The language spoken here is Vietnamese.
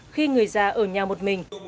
khi người già ở nhà một mình